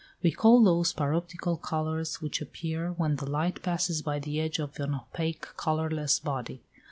We call those paroptical colours which appear when the light passes by the edge of an opaque colourless body.